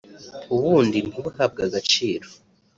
ubundi ntibuhabwe agaciro